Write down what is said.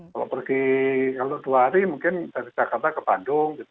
kalau pergi kalau dua hari mungkin dari jakarta ke bandung gitu